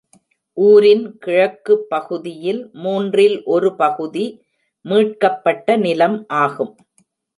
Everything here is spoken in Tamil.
ஊரின் கிழக்கு பகுதியில் மூன்றில் ஒரு பகுதி மீட்கப்பட்ட நிலம் ஆகும்.